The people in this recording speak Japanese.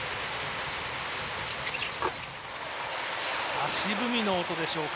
足踏みの音でしょうか。